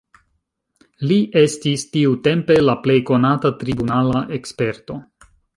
Li estis tiutempe la plej konata tribunala eksperto.